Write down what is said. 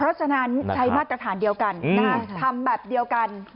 เพราะฉะนั้นใช้มาตรฐานเดียวกันทำแบบเดียวกัน